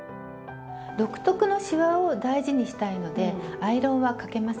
独特のシワを大事にしたいのでアイロンはかけません。